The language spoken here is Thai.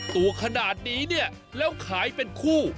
ตัวขนาดนี้เนี่ยแล้วขายเป็นคู่